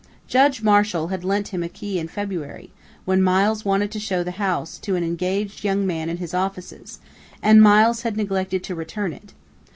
"Judge Marshall had lent him a key in February, when Miles wanted to show the house to an engaged young man in his offices, and Miles had neglected to return it....